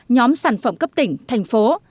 nhóm sản phẩm cấp tỉnh thành phố